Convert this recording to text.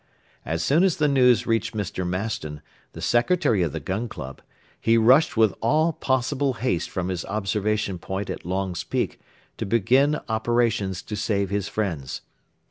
As soon as the news reached Mr. Maston, the Secretary of the Gun Club, he rushed with all possible haste from his observation point at Long's Peak to begin operations to save his friends.